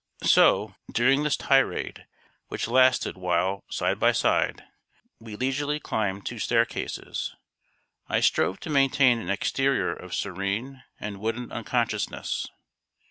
So, during this tirade, which lasted while, side by side, we leisurely climbed two staircases, I strove to maintain an exterior of serene and wooden unconsciousness.